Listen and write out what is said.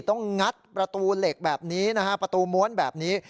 งัดประตูเหล็กแบบนี้นะฮะประตูม้วนแบบนี้